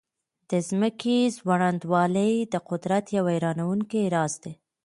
د ځمکې ځوړندوالی د قدرت یو حیرانونکی راز دی.